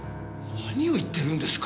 何を言ってるんですか！？